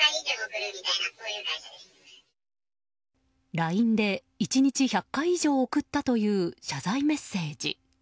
ＬＩＮＥで１日１００回以上送ったという謝罪メッセージ。